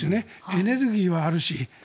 エネルギーはあるし。